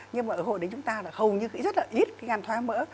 nhưng mà ở hồi đấy chúng ta là hầu như rất là ít cái gan thoái hóa mỡ